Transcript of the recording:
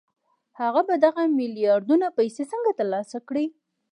هغه به دغه ميلياردونه پيسې څنګه ترلاسه کړي؟